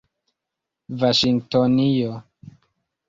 vaŝingtonio